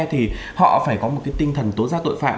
thì họ phải có một cái tinh thần tố giác tội phạm